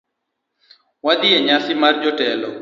Wadhi enyasi mar jotelo